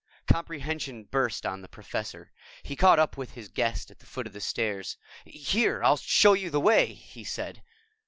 Comprehension burst on the Professor. He caught up with his guest at the foot of the stairs. "Here, I'll show you the way," he said.